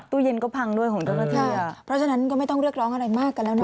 ตู้เย็นก็พังด้วยของเจ้าหน้าที่เพราะฉะนั้นก็ไม่ต้องเรียกร้องอะไรมากกันแล้วนะ